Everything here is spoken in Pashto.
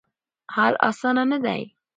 حل اسانه نه دی.